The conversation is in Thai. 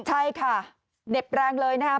ใช่ค่ะเหน็บแรงเลยนะครับ